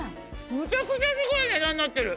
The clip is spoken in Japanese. むちゃくちゃすごい値段になってる！